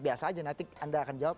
biasa aja nanti anda akan jawab